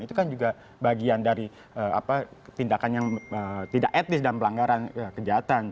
itu kan juga bagian dari tindakan yang tidak etis dan pelanggaran kejahatan